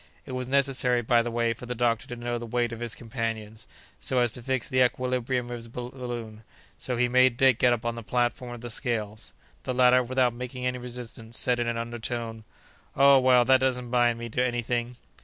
It was necessary, by the way, for the doctor to know the weight of his companions, so as to fix the equilibrium of his balloon; so he made Dick get up on the platform of the scales. The latter, without making any resistance, said, in an undertone: "Oh! well, that doesn't bind me to any thing."